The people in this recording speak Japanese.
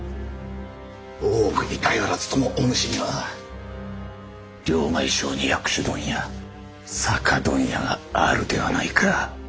大奥に頼らずともお主には両替商に薬種問屋酒問屋があるではないか。